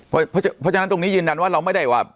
เพราะฉะนั้นตรงนี้ยืนยันว่าเราไม่ได้ว่า